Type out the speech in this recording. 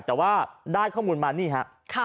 แต่ว่าได้ข้อมูลมานี่ฮะ